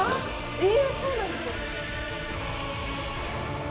ええっそうなんですね。